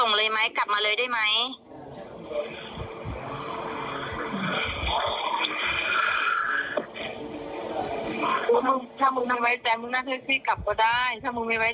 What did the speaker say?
มันมี๖ตัวพอเปิดได้เลย